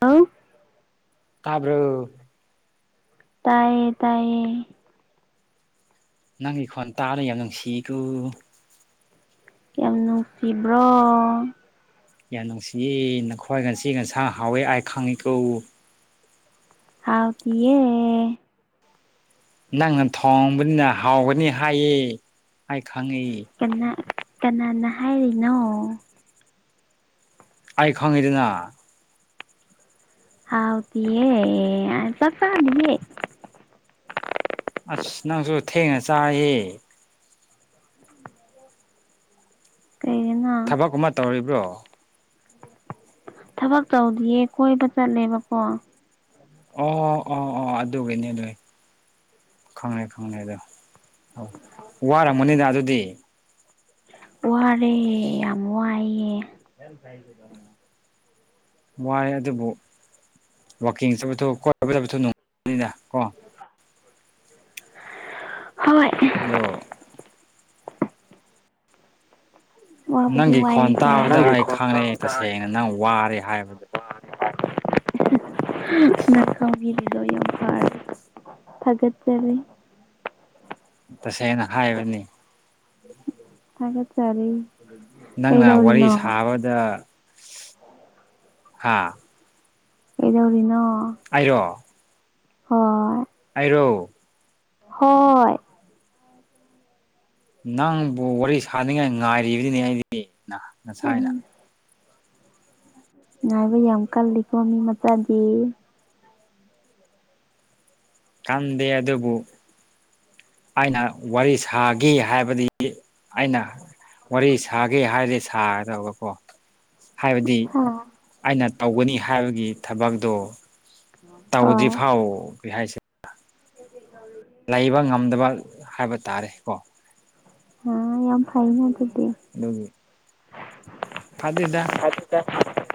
ꯑ ꯇꯥꯕ꯭ꯔꯣ ꯇꯥꯏꯌꯦ ꯇꯥꯏꯌꯦ ꯅꯪꯒꯤ ꯈꯣꯟ ꯇꯥꯔ ꯌꯥꯝ ꯅꯨꯡꯁꯤꯀꯣ ꯌꯥꯝ ꯅꯨꯡꯁꯤꯕ꯭ꯔꯣ ꯌꯥꯝ ꯅꯨꯡꯁꯤꯌꯦ ꯅꯈ꯭ꯋꯥꯏ ꯉꯁꯤ ꯉꯟꯁꯥꯡ ꯍꯥꯎꯋꯦ ꯑꯥꯏ ꯈꯪꯉꯤꯀꯧ ꯍꯥꯎ ꯇꯌꯦꯦ ꯅꯪꯅ ꯊꯣꯡꯕꯅꯤꯅ ꯍꯥꯎꯕꯅꯤ ꯍꯥꯏꯌꯦ ꯍꯥꯏ ꯈꯪꯉꯤꯌꯦ ꯀꯅꯥ ꯀꯅꯥꯅ ꯍꯥꯏꯔꯤꯅꯣ ꯑꯩꯥꯏ ꯈꯪꯉꯗꯅ ꯍꯥꯎꯗꯤꯑꯦ ꯆ ꯆꯅꯤꯦ ꯑꯁ ꯅꯪꯁꯨ ꯊꯦꯡꯅ ꯆꯥꯔꯤꯌꯦ ꯀꯩꯒꯤꯅꯣ ꯊꯕꯛ ꯑꯃ ꯇꯧꯔꯤꯕ꯭ꯔꯣ ꯊꯕꯛ ꯇꯧꯗꯤꯌꯦ ꯀꯣꯏꯕ ꯆꯠꯂꯦꯕꯀꯣ ꯑꯣ ꯑꯣ ꯑꯣ ꯑꯣ ꯑꯗꯨꯒꯤꯅꯤ ꯂꯣꯏ ꯈꯪꯉꯦ ꯈꯪꯉꯦ ꯑꯗꯣ ꯑꯣ ꯋꯥꯔꯝꯃꯅꯤꯅ ꯑꯗꯨꯗꯤ ꯋꯥꯔꯦ ꯌꯥꯝ ꯋꯥꯏꯌꯦꯦ ꯃꯥꯏ ꯑꯗꯨꯕꯨ ꯋꯥꯋꯥꯛꯀꯤꯡ ꯆꯠꯄꯣꯛ ꯀꯣ ꯆ ꯅꯨꯡꯕꯅꯤꯅ ꯀꯣ ꯍꯣꯏ ꯑꯣ ꯋꯥꯕꯨꯗꯤ ꯅꯪꯒꯤ ꯈꯣꯟ ꯋꯥꯏꯌꯦꯀꯣ ꯇꯥꯕꯗ ꯑꯩ ꯈꯪꯅꯩ ꯑꯩ ꯇꯁꯦꯡꯅ ꯅꯪ ꯋꯥꯔꯦ ꯍꯥꯏꯕꯗ [inaudible] ꯅꯔꯀꯪꯕꯤꯔꯤꯖꯣ ꯌꯥꯝ ꯄꯥꯔ ꯊꯒꯠ ꯆꯂꯤ ꯇꯁꯦꯡꯅ ꯍꯥꯏꯕꯅꯤ ꯊꯒꯦ ꯆꯔꯔꯤ ꯅꯪꯅ ꯋꯥꯔꯤ ꯁꯥꯕꯗ ꯍꯥꯥ ꯍꯗꯧꯔꯤꯅꯣ ꯑꯔꯣ ꯍꯣꯏ ꯑꯔꯧ ꯍꯣꯏ ꯅꯪꯕꯨ ꯋꯥꯔꯤ ꯁꯥꯟꯅꯤꯡꯉꯥꯏ ꯉꯥꯏꯔꯤꯕꯗꯨꯅꯦ ꯑꯩꯗꯤ ꯅ ꯅꯁꯥꯏꯅ ꯎꯝ ꯉꯥꯏꯕ ꯌꯥꯝ ꯀꯜꯂꯤꯀꯣ ꯃꯤ ꯃꯆꯥꯗꯤ ꯀꯗꯦ ꯑ ꯑꯗꯨꯕꯨꯣ ꯑꯩꯅ ꯋꯥꯔꯤ ꯁꯥꯒꯤ ꯍꯥꯏꯕꯗꯤ ꯑꯩꯅ ꯋꯥꯔꯤ ꯁꯥꯒꯦ ꯍꯥꯏꯗꯤꯦ ꯁꯥꯒꯗꯕꯀꯣ ꯍꯥꯏꯕꯗꯤ ꯍꯥ ꯑꯩꯅ ꯇꯧꯒꯅꯤ ꯍꯥꯏꯕꯒꯤ ꯊꯕꯛꯇꯣ ꯇꯧꯗꯤ ꯐꯥꯎ ꯀ ꯍꯥꯏꯁꯦ ꯎ ꯂꯩꯕ ꯉꯝꯗꯕ ꯍꯥꯏꯕ ꯇꯥꯔꯦ ꯀꯣ ꯑ ꯌꯥꯝ ꯐꯩꯟ ꯑꯗꯨꯗꯤ ꯑꯗꯨꯒꯤ ꯐꯗꯦꯗ ꯍꯥꯏꯠꯇ [unintelligible]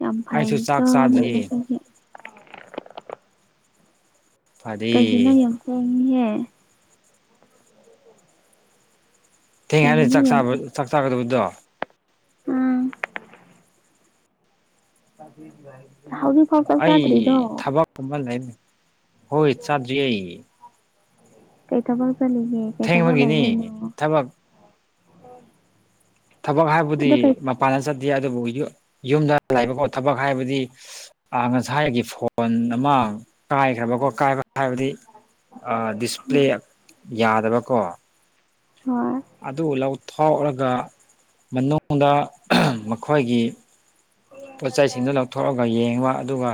ꯌꯥꯝ ꯐꯩ ꯑꯩꯁꯨ ꯆꯥꯛ ꯀꯣ ꯃꯤ ꯆꯥꯗ꯭ꯔꯤꯌꯦ ꯃꯆꯥꯗꯤ ꯐꯗꯦ ꯀꯩꯒꯤꯅꯣ ꯌꯥꯝ ꯍꯣꯡꯉꯤꯍꯦ ꯊꯦꯡ ꯀꯩꯒꯤꯅꯣ ꯍꯥꯏꯅꯥꯛꯕ ꯌꯥꯝ ꯊꯦꯡ ꯆꯥꯛ ꯆꯥꯒꯗꯕꯗꯣ ꯎꯝ ꯍꯧꯖꯤꯛꯐꯥꯎ ꯆꯥꯛꯆꯥꯗ꯭ꯔꯤꯗꯣ ꯑꯩ ꯊꯕꯛꯀꯨꯝꯕ ꯂꯩ ꯍꯣꯏ ꯆꯥꯗ꯭ꯔꯤ ꯑꯩ ꯀꯩ ꯇꯕꯛ ꯆꯠꯂꯤꯒꯦ ꯀꯩ ꯊꯕꯛ ꯂꯩꯕꯩꯅꯣ ꯊꯦꯡꯕꯒꯤꯅꯤ ꯎꯝ ꯊꯕꯛ ꯊꯕꯛ ꯍꯥꯏꯕꯨꯗꯤ ꯃꯄꯥꯟꯗ ꯆꯠ ꯑꯗꯨꯕꯨ ꯌꯨꯝꯗ ꯂꯩꯕꯀꯣ ꯊꯕꯛ ꯍꯥꯏꯕꯗꯤ ꯉꯁꯥꯏꯒꯤ ꯐꯣꯟ ꯑꯃ ꯀꯥꯏꯈ꯭ꯔꯕꯀꯣ ꯀꯥꯏꯕ ꯍꯥꯏꯕꯗꯤ ꯑ ꯗꯤꯁꯄ꯭ꯂꯦ ꯎꯝ ꯌꯥꯗꯕꯀꯣ ꯍꯨꯝ ꯑꯗꯨ ꯂꯧꯊꯣꯛꯔꯒ ꯃꯅꯨꯡꯗ ꯃꯈꯣꯏꯒꯤ ꯄꯣꯠ ꯆꯩꯁꯤꯡꯗꯨꯣ ꯂꯧꯊꯣꯛꯑꯒ ꯌꯦꯡꯕ ꯑꯗꯨꯒ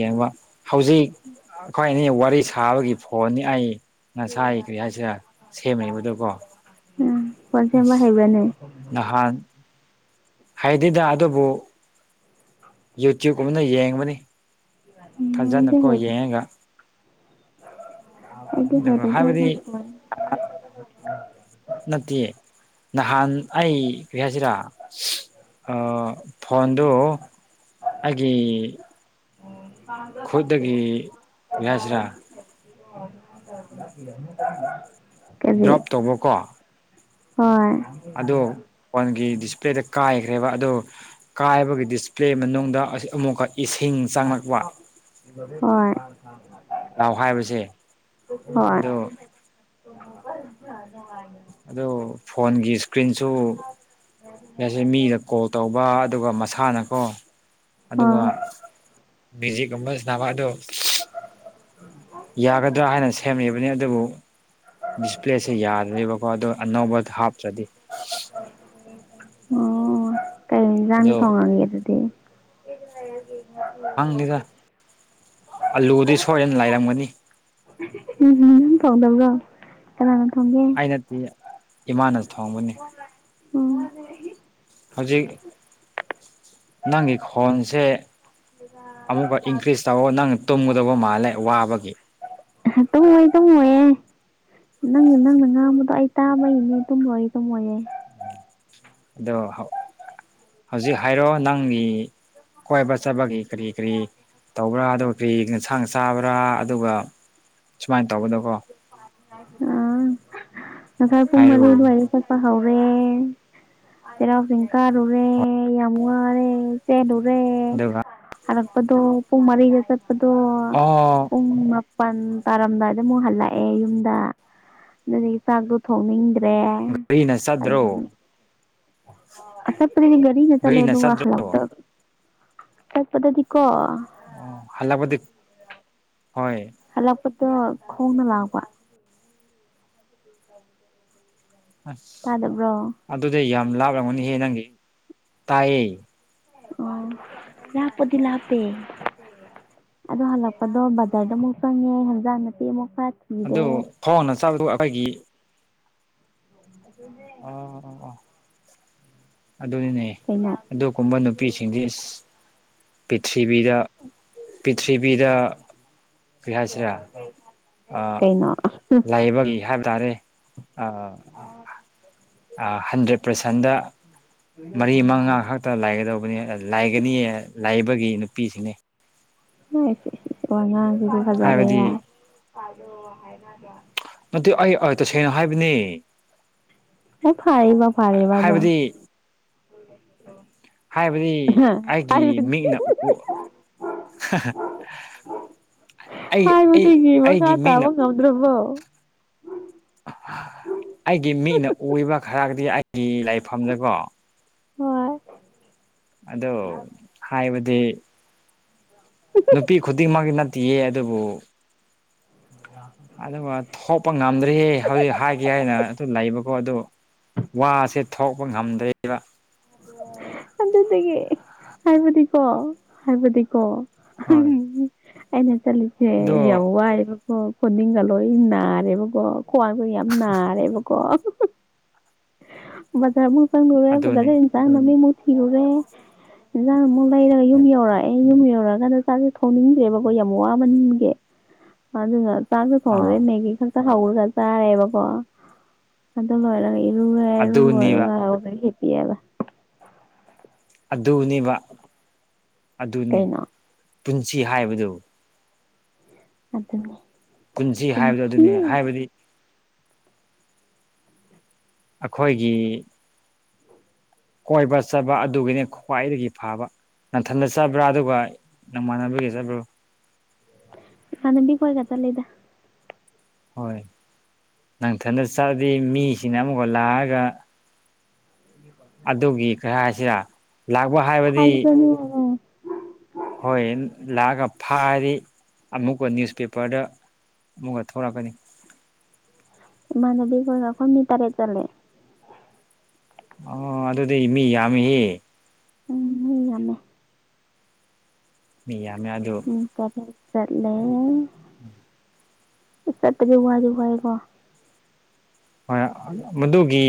ꯌꯦꯡꯕ ꯍꯧꯖꯤꯛ ꯑꯩꯈꯣꯏꯅꯤ ꯋꯥꯔꯤ ꯁꯥꯕꯒꯤ ꯐꯣ ꯐꯣꯟꯅꯤ ꯑꯩ ꯉꯁꯥꯏ ꯀꯔꯤ ꯍꯥꯏꯁꯤꯔꯥ ꯁꯦꯝꯃꯤꯕꯗꯨꯀꯣ ꯎꯝ ꯐꯣꯟ ꯁꯦꯝꯕ ꯍꯩꯕ꯭ꯔꯅꯦ ꯅꯍꯥꯟ ꯍꯩꯗꯦꯗ ꯑꯗꯨꯕꯨ ꯌꯨꯇ꯭ꯌꯨꯕꯀꯨꯝꯕꯗ ꯌꯦꯡꯕꯅꯤ ꯎꯝ ꯑꯩꯗꯤ ꯐꯖꯅꯀꯣ ꯍꯩꯔꯦ ꯌꯦꯡꯉꯒ ꯑꯩꯗꯤ ꯑꯗꯨꯒ ꯍꯩꯔꯦꯗ ꯍꯥꯏꯕꯗꯤ ꯑꯩꯗꯤ ꯐꯣꯟ ꯅꯠꯇꯦ ꯅꯍꯥꯟ ꯑꯩ ꯀꯔꯤ ꯍꯥꯏꯁꯤꯔꯥ ꯑꯥ ꯐꯣꯟꯗꯨ ꯑꯩꯒꯤ ꯈꯨꯠꯇꯒꯤ ꯀꯔꯤ ꯍꯥꯏꯁꯤꯔꯥ [unintelligible] [unintelligible] ꯗ꯭ꯔꯣꯞ ꯇꯧꯕꯀꯣ ꯍꯣꯏ ꯑꯗꯣ ꯐꯣꯟꯒꯤ ꯗꯤꯁꯄ꯭ꯂꯦꯗ ꯀꯥꯏꯈ꯭ꯔꯦꯕ ꯑꯗꯨ ꯀꯥꯏꯕꯒꯤ ꯗꯤꯁꯄ꯭ꯂꯦ ꯃꯅꯨꯡꯗ ꯑꯁ ꯑꯃꯨꯛꯀ ꯏꯁꯤꯡ ꯆꯪꯂꯛꯄ ꯍꯣꯏ ꯂꯥꯎ ꯍꯥꯏꯕꯁꯦ ꯍꯣꯏ ꯑꯗꯣ ꯑꯗꯨ ꯐꯣꯟꯒꯤ ꯏꯁ ꯀ꯭ꯔꯤꯟꯁꯨ ꯉꯁꯤ ꯃꯤꯗ ꯀꯣꯜ ꯇꯧꯕ ꯑꯗꯨꯒ ꯃꯁꯥꯅꯀꯣ ꯑꯗꯨꯒ ꯍꯣꯏ ꯃ꯭ꯌꯨꯖꯤꯛꯀꯨꯝꯕ ꯁꯥꯅꯕ ꯑꯗꯨ ꯁꯦꯝꯂꯤꯕꯅꯤ ꯑꯗꯨꯕꯨ ꯍꯣꯏ ꯑꯗꯨ ꯑꯅꯧꯕ ꯊꯥꯞꯆꯂꯤ ꯑꯣ ꯀꯩ ꯏꯟꯖꯥꯡ ꯅ ꯑꯗꯣ ꯊꯣꯡꯉꯒꯦ ꯑꯗꯨꯗꯤ ꯈꯪꯗꯦꯗ [unintelligible] ꯑꯂꯨꯗꯤ ꯁꯣꯏꯗꯅ ꯂꯩꯥꯔꯝꯒꯅꯤ ꯎꯝ ꯍꯨꯝ ꯊꯣꯡꯗꯕ꯭ꯔꯣ ꯀꯅꯥꯅ ꯊꯣꯡꯒꯦ ꯑꯩ ꯅꯠꯇ꯭ꯌꯦ ꯏꯃꯥꯅꯁꯨ ꯊꯣꯡꯕꯅꯦ ꯎꯝ ꯍꯧꯖꯤꯛ ꯅꯪꯒꯤ ꯈꯣꯟꯁꯦ ꯑꯃꯨꯛꯀ ꯏꯟꯀ꯭ꯔꯤꯁ ꯇꯧꯋꯣ ꯅꯪ ꯇꯨꯝꯒꯗꯧꯕ ꯃꯥꯜꯂꯦ ꯋꯥꯕꯒꯤ ꯇꯨꯝꯃꯣꯏ ꯇꯨꯝꯃꯣꯏꯌꯦ ꯗꯣ ꯑꯩ ꯇꯥꯕꯩꯅꯤ ꯇꯨꯝꯃꯣꯏ ꯇꯨꯝꯃꯣꯏꯌꯦ ꯑꯗꯣ ꯍꯧꯖꯤꯛ ꯍꯥꯏꯔꯣ ꯅꯪꯒꯤ ꯀꯣꯏꯕ ꯆꯠꯕꯒꯤ ꯀꯔꯤ ꯀꯔꯤ ꯇꯧꯕ꯭ꯔꯥ ꯑꯗꯨꯒ ꯀꯔꯤ ꯏꯟꯁꯥꯡ ꯆꯥ ꯆꯥꯕ꯭ꯔ ꯑꯗꯨꯒ ꯁꯨꯃꯥꯏꯅ ꯇꯧꯕꯗꯣꯀꯣ ꯎꯝ ꯉꯁꯥꯏ ꯍꯥꯏꯔꯨ ꯄꯨꯡꯃꯔꯤ ꯗ꯭ꯋꯥꯏꯗ ꯆꯠꯄ ꯍꯧꯋꯦ ꯨꯔꯦ ꯆꯩꯔꯥꯎ ꯆꯤꯡ ꯀꯥꯔꯨꯔꯦ ꯍꯣꯏ ꯌꯥꯝ ꯋꯥꯔꯦ ꯆꯦꯜꯂꯨ ꯔꯦ ꯑꯗꯨꯒ ꯍꯜꯂꯛꯄꯗꯣ ꯄꯨꯡ ꯃꯔꯤꯗ ꯆꯠꯄꯗꯣ ꯑꯣ ꯄꯨꯡ ꯃꯥ ꯄꯟ ꯇꯥꯔꯝꯗꯥꯏꯗ ꯑꯃꯨꯛ ꯍꯜꯂꯛꯑꯦ ꯌꯨꯝꯗ ꯑꯗꯨꯒꯤ ꯆꯥꯛꯇꯣ ꯊꯣꯡꯅꯤꯡꯗꯦ ꯗ꯭ꯔꯦ ꯒꯥꯔꯤꯅ ꯆꯠꯇ꯭ꯔꯣ ꯑꯗꯨꯅꯤ ꯑꯆꯠꯄꯗꯤ ꯒꯥꯔꯤꯒ ꯆꯠꯂꯦ ꯒꯥꯔꯤꯅ ꯑꯗꯨꯒ ꯆꯠꯇ꯭ꯔꯣ ꯍꯜꯂꯛꯄꯗ ꯆꯠꯄꯗꯗꯤꯀꯣ ꯑꯣ ꯍꯜꯂꯛꯄꯗꯤ ꯍꯣꯏ ꯗꯣ ꯈꯣꯡꯅ ꯂꯥꯛꯄ ꯑꯁ ꯇꯥꯗꯕ꯭ꯔꯣ ꯑꯗꯨꯗꯤ ꯌꯥꯝ ꯂꯥꯞꯂꯝꯒꯅꯤꯍꯦ ꯅꯪꯒꯤ ꯇꯥꯏꯌꯦ ꯑ ꯂꯥꯞꯄꯗꯤ ꯂꯥꯞꯄꯦ ꯑꯗꯣ ꯍꯜꯂꯛꯄꯗꯣ ꯕꯖꯔꯗ ꯑꯃꯨꯛ ꯆꯪꯉꯦ ꯍꯟꯖꯥꯡ ꯅꯄꯤꯦ ꯑꯃꯨꯛ ꯈꯔ ꯊꯤꯔꯦ ꯑꯗꯨ ꯈꯣꯡꯅ ꯆꯠꯕꯗꯨ ꯑꯩꯈꯣꯏꯒꯤ ꯑ ꯑꯗꯨꯅꯤꯅꯦ ꯀꯩꯅꯣ ꯑꯗꯨꯒꯨꯝꯕ ꯅꯨꯄꯤꯁꯤꯡꯗꯤ ꯄ꯭ꯔꯤꯊꯤꯕꯤꯗ ꯄꯕꯤꯗ ꯀꯩ ꯍꯥꯏꯁꯤꯔꯦ ꯀꯩꯅꯣ ꯂꯥꯏꯕꯒꯤ ꯍꯥꯏꯕ ꯇꯥꯔꯦ ꯑꯥ ꯍꯟꯗ꯭ꯔꯦꯠ ꯄꯥꯔꯁꯦꯟꯗ ꯃꯔꯤ ꯃꯉꯥ ꯈꯛꯇ ꯂꯥꯏꯒꯗꯧꯕ ꯂꯥꯏꯒꯅꯤ ꯂꯥꯏꯕꯒꯤ ꯅꯨꯄꯤꯁꯤꯡꯅꯤ ꯅꯔꯤ ꯍꯖꯔꯦ ꯍꯥꯏꯕꯗꯤ ꯑꯗꯨ ꯑꯩ ꯇꯁꯦꯡꯅ ꯍꯥꯏꯕꯅꯤ ꯑꯦ ꯐꯥꯔꯔꯤꯕ ꯐꯥꯔꯕꯗꯣ ꯍꯥꯏꯕꯗꯤ ꯍꯥꯏꯕꯗꯤ ꯑꯩꯒꯤ ꯍꯥꯏꯕꯗꯤ ꯃꯤꯡꯅ ꯎ [unintelligible] [inaudible] ꯑꯩ ꯑꯩ ꯍꯥꯏꯕꯒꯤ ꯃꯈꯥ ꯑꯩꯒꯤ ꯃꯤꯠꯅ ꯇꯥꯕ ꯉꯝꯗ꯭ꯔꯕꯣ ꯒꯤ ꯂꯥꯏꯐꯝꯗꯀꯣ ꯍꯣꯏ ꯑꯗꯣ ꯍꯥꯏꯕꯗꯤ ꯅꯨꯄꯤ ꯈꯨꯗꯤꯡꯃꯛꯀꯤ ꯅꯠꯇꯦ ꯑꯗꯨꯕꯨ ꯑꯗꯨꯒ ꯊꯣꯛꯄ ꯉꯝꯗ꯭ꯔꯤꯌꯦ ꯍꯧꯖꯤꯛ ꯍꯥꯏꯒꯦ ꯍꯥꯏꯅ ꯑꯗꯨ ꯂꯩꯕ ꯀꯣ ꯑꯗꯨ ꯋꯥꯁꯦ ꯊꯣꯛꯄ ꯉꯝꯗꯕ ꯑꯗꯨꯗꯒꯤ ꯍꯥꯏꯕꯗꯤꯀꯣ ꯍꯥꯏꯕꯗꯤꯀꯣ ꯍꯣꯏ ꯑꯩꯅ ꯆꯠꯂꯤꯁꯦ ꯑꯗꯣ ꯌꯥꯝ ꯋꯥꯏꯑꯦꯕꯀꯣ ꯈꯨꯣꯗꯤꯒ ꯂꯣꯏ ꯅꯥꯔꯦꯕꯀꯣ ꯀ꯭ꯋꯥꯕꯨ ꯌꯥꯝ ꯅꯥꯔꯦꯕꯀꯣ ꯕꯖꯥꯔ ꯑꯃ ꯆꯪꯗ ꯑꯗꯨꯅꯤ ꯐꯖꯗ ꯏꯟꯁꯥꯡ ꯅꯨꯃꯤꯃꯨꯛ ꯊꯤꯔꯨꯔꯦ ꯏꯟꯁꯥꯡ ꯑꯃꯨꯛ ꯂꯩꯔꯒ ꯌꯨꯝ ꯌꯧꯔꯛꯑꯦ ꯑꯩ ꯌꯨꯝ ꯌꯧꯔꯛꯑꯀꯥꯟꯗ ꯆꯥꯛꯁꯦ ꯊꯣꯡꯅꯤꯡꯗ꯭ꯔꯦꯕꯀꯣ ꯌꯥꯝ ꯋꯥꯃꯟꯒꯦ ꯑꯗꯨꯒ ꯆꯥꯛꯁꯨ ꯐꯣꯡꯔꯦ ꯑꯥ ꯃꯦꯒꯤ ꯈꯛꯇ ꯍꯧꯔꯒ ꯆꯥꯔꯦꯕꯀꯣ ꯑꯗꯨ ꯂꯣꯏꯔꯒ ꯔꯨꯋꯦꯔꯨ ꯑꯗꯨꯅꯤꯕ ꯉꯗ ꯈꯦꯇ ꯌꯥꯂ ꯑꯗꯨꯅꯦꯕ ꯑꯗꯨꯅꯤ ꯀꯩꯅꯣ ꯄꯨꯟꯁꯤ ꯍꯥꯏꯕꯗꯨ ꯑꯗꯨꯅꯦ ꯄꯨꯟꯁꯤ ꯍꯥꯏꯕꯗꯣ ꯑꯗꯨꯅꯤ ꯍꯥꯏꯕꯗꯤ ꯑꯩꯈꯣꯏꯒꯤ ꯀꯣꯏꯕ ꯆꯠꯕ ꯑꯗꯨꯒꯤꯅꯤ ꯈ꯭ꯋꯥꯏꯗꯒꯤ ꯐꯕ ꯅꯟꯊꯟꯗ ꯆꯠꯕ꯭ꯔꯥ ꯑꯗꯨꯒ ꯅꯣꯡꯃꯥꯟꯅꯕꯒꯤ ꯆꯠꯕ꯭ꯔꯣ ꯃꯥꯅꯕꯤ ꯀꯣꯏ ꯀꯇꯥ ꯂꯩꯗ ꯍꯣꯏ ꯅꯪꯊꯅ ꯆꯠꯗꯤ ꯃꯤꯁꯤꯅ ꯑꯃꯈ ꯂꯥꯛꯑꯒ ꯒꯤ ꯄꯥꯁꯅ ꯀꯩ ꯍꯥꯏ ꯍꯥꯏꯁꯤꯔ ꯂꯥꯛꯄ ꯍꯥꯏꯕꯗꯤ ꯊꯥꯖꯅꯤꯡꯉꯦ ꯍꯣꯏ ꯂꯥꯛꯑꯒ ꯐꯥꯗꯤ ꯑꯃꯨꯛꯀ ꯅ꯭ꯌꯨꯁꯄꯦꯄꯔꯗ ꯑꯃꯨꯛꯀ ꯊꯂꯛꯀꯅꯤ ꯏꯃꯥꯟꯅꯕꯤ ꯀꯈ ꯃꯤ ꯇꯔꯦ ꯆꯂꯦ ꯑ ꯑꯗꯨꯗꯤ ꯃꯤ ꯌꯥꯝꯍ ꯎꯝ ꯍ ꯌꯥꯃꯦ ꯃꯤ ꯌꯥꯝꯃꯦ ꯑꯗꯨ ꯃꯤ ꯇꯔꯦꯠ ꯆꯠꯂꯦ ꯎꯝ ꯁꯇꯒꯤ ꯑꯖ ꯑꯣꯏꯏꯒꯣ ꯍꯣꯏ ꯃꯗꯨꯒꯤ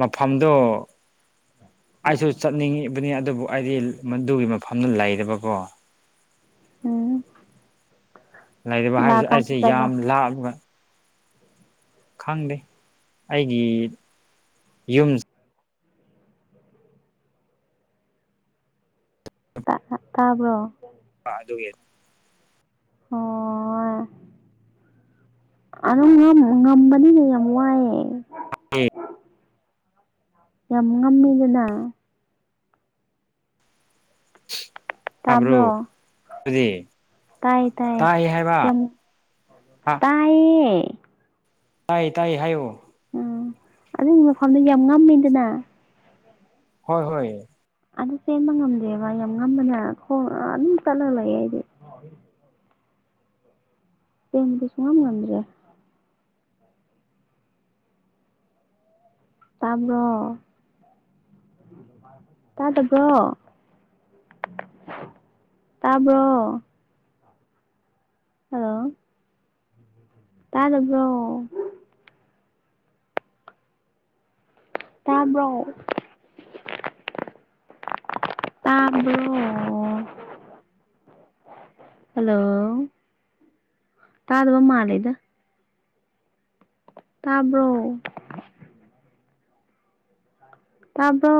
ꯃꯐꯝꯗꯣ ꯑꯩꯁꯨ ꯆꯠꯅꯤꯡꯉꯤꯕꯅꯤ ꯑꯗꯨꯕꯨ ꯑꯩꯗꯤ ꯃꯗꯨꯒꯤ ꯃꯐꯝꯗꯨ ꯂꯩꯔꯕꯀꯣ ꯎꯝ ꯂꯩꯔꯤꯕ ꯍꯥꯏꯕꯁꯦ ꯂꯥꯛꯀꯥꯟꯗ ꯑꯩꯁꯦ ꯆꯠꯂꯣ ꯌꯥꯝ ꯂꯥꯞꯕ ꯈꯪꯗꯦ ꯑꯩꯒꯤ ꯌꯨꯝꯁ ꯇꯥꯕ꯭ꯔꯣ ꯑ [inaudible] ꯑꯣ [inaudible] ꯉꯝꯕꯅꯤꯅꯦ ꯌꯥꯝ ꯋꯥꯏꯑꯦ ꯝ [inaudible] ꯌꯥꯝ ꯉꯃꯤꯗꯅ ꯇꯥꯕ꯭ꯔꯣ ꯑꯗꯨꯗꯤ ꯇꯥꯏ ꯇꯥꯏ ꯌꯥꯝ ꯇꯥꯏꯌꯦ ꯇꯥꯏ ꯇꯥꯏꯌꯦ ꯍꯥꯏꯌꯨ ꯎ ꯑꯗꯨꯒꯤ ꯃꯐꯝꯗꯨ ꯌꯥꯝ ꯉꯝꯃꯦꯗꯅ ꯍꯣꯏ ꯍꯣꯏ ꯑꯗꯨ ꯆꯦꯟꯕ ꯉꯝꯗꯦꯕ ꯌꯥꯝ ꯉꯝꯕꯅꯦ ꯈꯣꯡ ꯑꯗꯨꯝ ꯆꯠꯂꯒ ꯂꯩꯑ ꯑꯩꯗꯤ ꯇꯃꯤꯗꯤ [inaudible] ꯁꯨꯡ ꯃꯗ꯭ꯔꯦ ꯇꯥꯕ꯭ꯔꯣ ꯇꯥꯗꯕ꯭ꯔꯣ ꯇꯥꯕ꯭ꯔꯣ ꯍꯜꯂꯣ ꯇꯥꯗꯕ꯭ꯔꯣ ꯇꯥꯕ꯭ꯔꯣ ꯇꯥꯕ꯭ꯔꯣ ꯍꯜꯂꯣ ꯇꯥꯗꯕ ꯃꯥ ꯂꯩꯗ ꯇꯥꯕ꯭ꯔꯣ ꯇꯥꯕꯣ